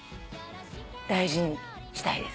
大事にしたいです。